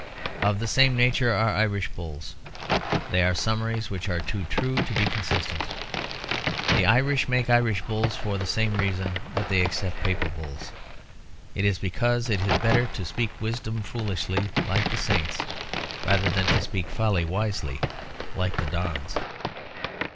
Of the same nature are Irish bulls; they are summaries which are too true to be consistent. The Irish make Irish bulls for the same reason that they accept Papal bulls. It is because it is better to speak wisdom foolishly, like the Saints, rather than to speak folly wisely, like the Dons.